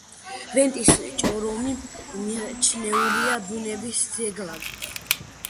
ვენტის ჭორომი მიჩნეულია ბუნების ძეგლად.